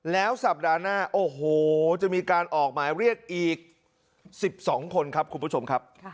แล้วสัปดาห์หน้าโอ้โหจะมีการออกหมายเรียกอีก๑๒คนครับคุณผู้ชมครับ